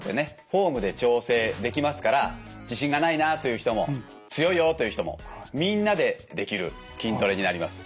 フォームで調整できますから「自信がないな」という人も「強いよ」という人もみんなでできる筋トレになります。